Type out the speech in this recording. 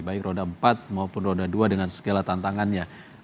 baik roda empat maupun roda dua dengan segala tantangannya